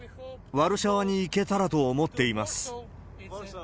ワルシャワに行けたらと思っています。